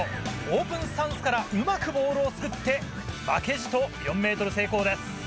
オープンスタンスからうまくボールをすくって負けじと４ｍ成功です。